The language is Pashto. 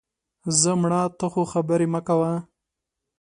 ځه مړه، ته خو خبرې مه کوه